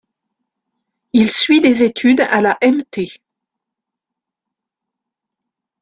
Il suit des études à la Mt.